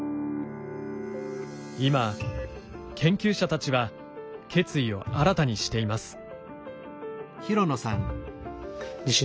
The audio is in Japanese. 今研究者たちは決意を新たにしています。